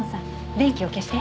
電気を消して。